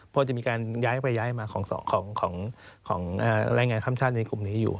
เพราะจะมีการย้ายไปย้ายมาของแรงงานข้ามชาติในกลุ่มนี้อยู่